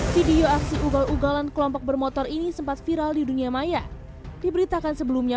video aksi ugal ugalan kelompok bermotor ini sempat viral di dunia maya diberitakan sebelumnya